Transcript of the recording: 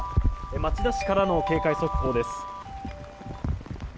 町田市からの警戒速報です。